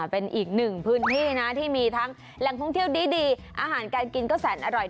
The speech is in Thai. เป็นอีกหนึ่งพื้นที่นะที่มีทั้งแหล่งท่องเที่ยวดีอาหารการกินก็แสนอร่อย